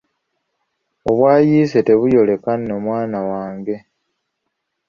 Obwayiise tebuyooleka nno mwana wange!